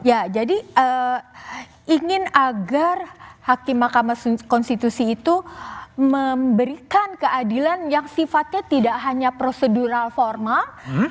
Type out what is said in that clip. ya jadi ingin agar hakim mahkamah konstitusi itu memberikan keadilan yang sifatnya tidak hanya prosedural formal